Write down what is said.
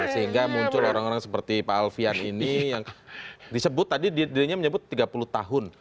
sehingga muncul orang orang seperti pak alfian ini yang disebut tadi dirinya menyebut tiga puluh tahun